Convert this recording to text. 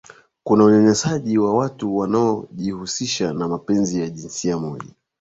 kuna unyanyapaaji wa watu wanaojihusiana na mapenzi ya jinsia moja